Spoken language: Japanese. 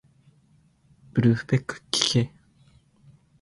ブルフペックきけ